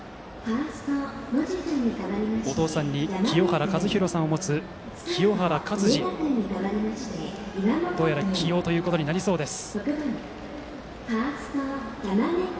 お父さんに清原和博さんを持つ清原勝児を起用ということにどうやら、なりそうです。